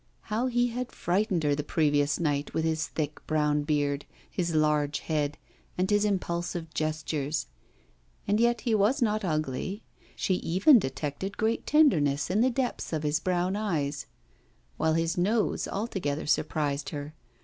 How he had frightened her the previous night with his thick brown beard, his large head, and his impulsive gestures. And yet he was not ugly; she even detected great tenderness in the depths of his brown eyes, while his nose altogether surprised her.